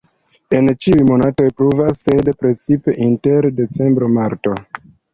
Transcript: En ĉiuj monatoj pluvas, sed precipe inter decembro-marto.